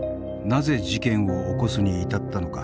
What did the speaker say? なぜ事件を起こすに至ったのか。